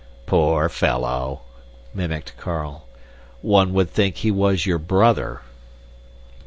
"Poor fellow!" mimicked Carl. "One would think he was your brother!"